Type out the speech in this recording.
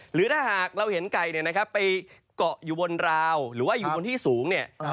หรือถ้าหากเราเห็นไก่เนี่ยนะครับไปเกาะอยู่บนราวหรือว่าอยู่บนที่สูงเนี่ย